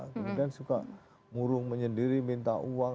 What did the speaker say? kemudian suka murung menyendiri minta uang